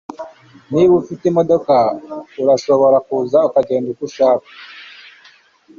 Niba ufite imodoka, urashobora kuza ukagenda uko ushaka.